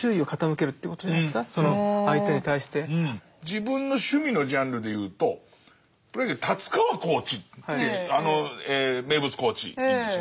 自分の趣味のジャンルでいうとプロ野球に達川コーチってあの名物コーチいるんですよね。